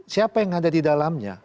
siapa yang ada di dalamnya